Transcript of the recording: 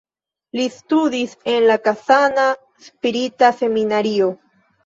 Li studis en la Kazana spirita seminario.